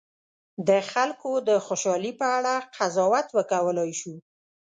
د خلکو د خوشالي په اړه قضاوت وکولای شو.